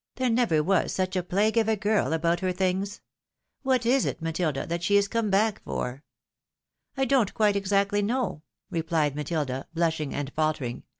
".There never was such a plague of a girl about her things ! What is it, Matilda, , that she, is come back for? "" I don't quite exactly know," repUed Matilda, blushing and faltering.